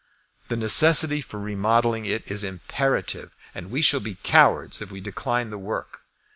The necessity for remodelling it is imperative, and we shall be cowards if we decline the work.